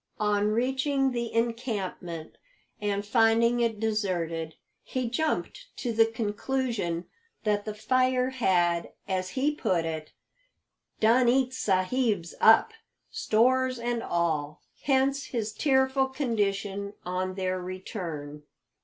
On reaching the encampment and finding it deserted, he jumped to the conclusion that the fire had, as he put it, "done eat sahibs up," stores and all. Hence his tearful condition on their return.